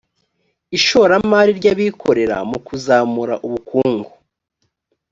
ishoramari ry abikorera mu kuzamura ubukungu